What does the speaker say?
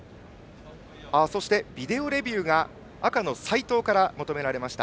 そして、ビデオレビューが赤の齊藤から求められました。